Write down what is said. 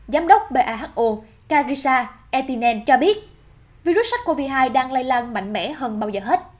giám đốc baho kajisa etinen cho biết virus sars cov hai đang lây lan mạnh mẽ hơn bao giờ hết